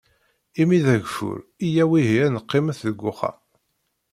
Imi d agfur, iyyaw ihi ad neqqimet deg uxxam.